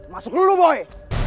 masuk dulu boy